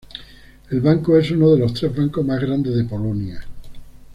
El banco es uno de los tres bancos más grandes de Polonia.